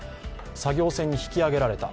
作業船に引き揚げられた。